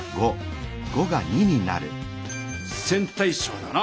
「線対称」だな。